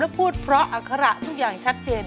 พูดเพราะอัคระทุกอย่างชัดเจน